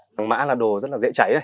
vàng mã là đồ rất dễ cháy